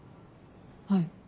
はい。